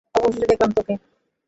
অবশেষে দেখলাম তোকে!